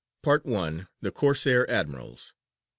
PART I. _THE CORSAIR ADMIRALS.